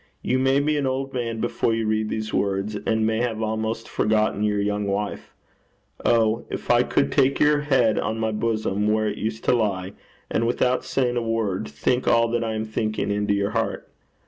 You may be an old man before you read these words, and may have almost forgotten your young wife. Oh! if I could take your head on my bosom where it used to lie, and without saying a word, think all that I am thinking into your heart.